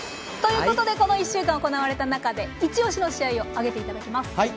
この１週間行われた中で一押しの試合を挙げていただきます。